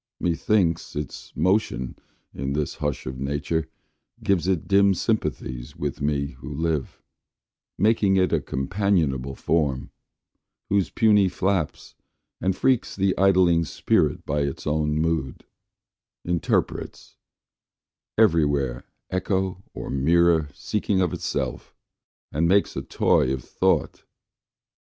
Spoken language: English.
Methinks, its motion in this hush of nature Gives it dim sympathies with me who live, Making it a companionable form, Whose puny flaps and freaks the idling Spirit By its own moods interprets, every where Echo or mirror seeking of itself, And makes a toy of Thought.